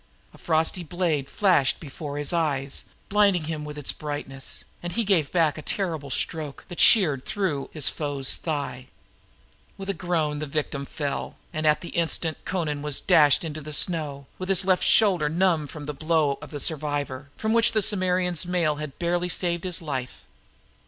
A frosty blade flashed before his eyes, blinding him with its brightness, and he gave back a terrible stroke that sheared through his foe's thigh. With a groan the victim fell, and at the instant Amra was dashed into the snow, his left shoulder numb from the blow of the survivor, from which the warrior's mail had barely saved his life.